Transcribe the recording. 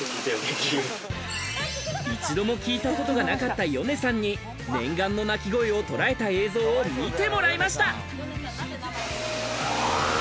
一度も聞いたことがなかった米さんに念願の鳴き声を捉えた映像を見てもらいました。